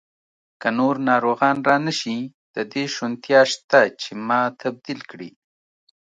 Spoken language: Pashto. که نور ناروغان را نه شي، د دې شونتیا شته چې ما تبدیل کړي.